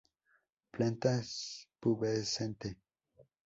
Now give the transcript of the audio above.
Planta pubescente.